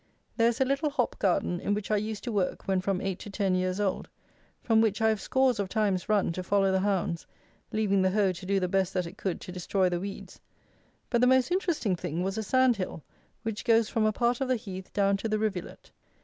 There is a little hop garden in which I used to work when from eight to ten years old; from which I have scores of times run to follow the hounds, leaving the hoe to do the best that it could to destroy the weeds; but the most interesting thing was a sand hill, which goes from a part of the heath down to the rivulet.